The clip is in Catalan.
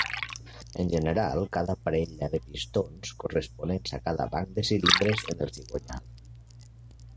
En general, cada parella de pistons corresponents a cada banc de cilindres en el cigonyal.